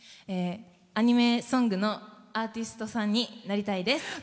アニメソングのアーティストさんになりたいです。